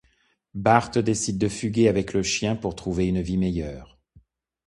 Bart décide de fuguer avec le chien pour trouver une vie meilleure.